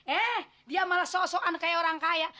eh dia malah sok sokan kayak orang kaya